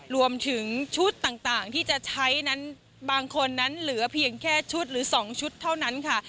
รวมถึงชุดต่างที่จะใช้นั้นบางคนนั้นเหลือเพียงแค่ชุดหรือ๒ชุดเท่านั้นค่ะ